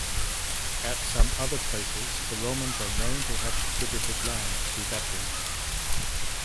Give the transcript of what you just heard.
At some other places the Romans are known to have distributed land to veterans.